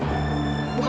ketika bertemu dengan dia